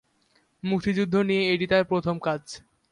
মুক্তিযুদ্ধ নিয়ে এটি তার প্রথম কাজ।